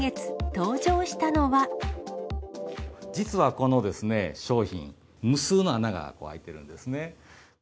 実はこの商品、無数の穴が開いてるんですね。